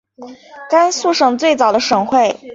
甘肃省最早的省会。